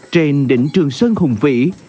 trên đỉnh trường sơn hùng vĩ